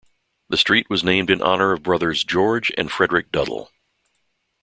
The street was named in honour of brothers George and Frederick Duddell.